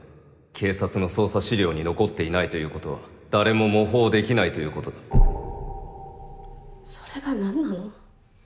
警察の捜査資料に残っていないということは誰も模倣できないということだそれが何なの？